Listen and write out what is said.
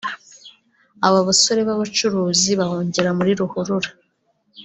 Aba basore b’abacuruzi bahungira muri Ruhurura